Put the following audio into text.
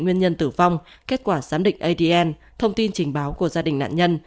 nguyên nhân tử vong kết quả giám định adn thông tin trình báo của gia đình nạn nhân